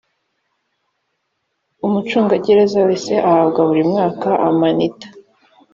umucungagereza wese ahabwa buri mwaka amanita.